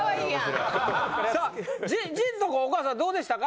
さあ陣とこお母さんどうでしたか？